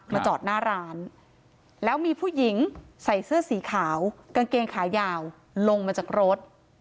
จอดหน้าร้านแล้วมีผู้หญิงใส่เสื้อสีขาวกางเกงขายาวลงมาจากรถ